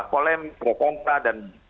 polem pro kontra dan